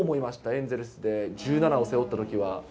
エンゼルスで１７を背負ったときは。